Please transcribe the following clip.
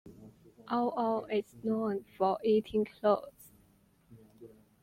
Ao Ao is known for eating clothes.